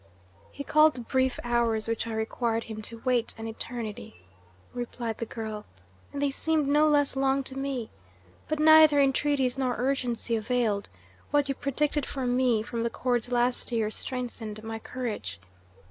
"He called the brief hours which I required him to wait an eternity," replied the girl, "and they seemed no less long to me but neither entreaties nor urgency availed; what you predicted for me from the cords last year strengthened my courage.